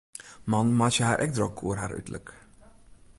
Mannen meitsje har ek drok oer har uterlik.